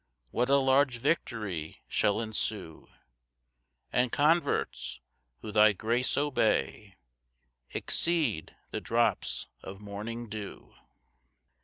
What a large victory shall ensue! And converts, who thy grace obey, Exceed the drops of morning dew.